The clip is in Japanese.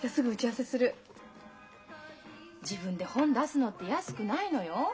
自分で本出すのって安くないのよ？